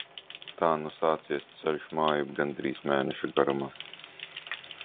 Tā nu sācies ceļš mājup gandrīz mēneša garumā.